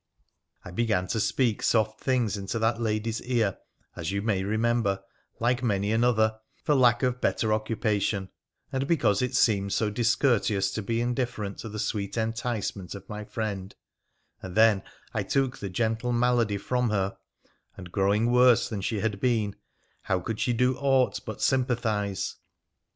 I began to speak soft things unto that lady's ear, as you may remem ber, like many another, for lack of better occupation, and because it seemed so discourteous to be indifferent to the sweet enticement of my friend, and then I took the gentle malady from her, and, growing worse than she had been, how could slie do aught but sympathise.